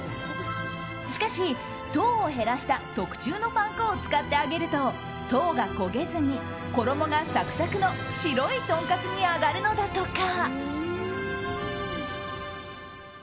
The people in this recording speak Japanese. しかし、糖を減らした特注のパン粉を使って揚げると糖が焦げずに衣がサクサクの白いとんかつに揚がるのだとか。